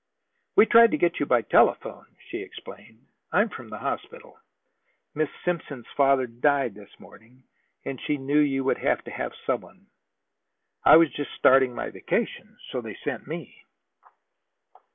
"We tried to get you by telephone," she explained. "I am from the hospital. Miss Simpson's father died this morning, and she knew you would have to have some one. I was just starting for my vacation, so they sent me."